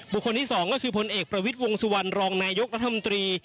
บุคคลที่สองก็คือพลเอกประวิจวงศ์สวรรค์รองนายกรัฐมนตรี